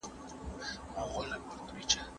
د خلګو د ژوند کچه په تدریجي ډول لوړه کړئ.